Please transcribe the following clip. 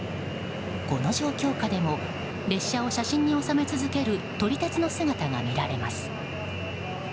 この状況下でも列車を写真に収め続ける撮り鉄の姿が見られます。